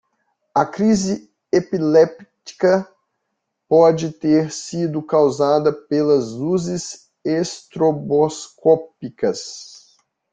A crise epiléptica pode ter sido causada pelas luzes estroboscópicas.